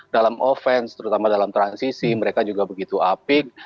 dalam offense terutama dalam transisi mereka juga begitu apik